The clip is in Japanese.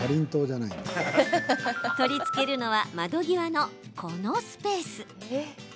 取り付けるのは窓際のこのスペース。